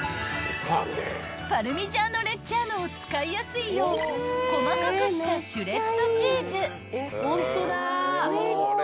［パルミジャーノレッジャーノを使いやすいよう細かくしたシュレッドチーズ］